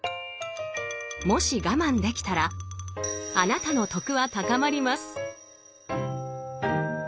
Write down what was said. もし我慢できたらあなたの「徳」は高まります！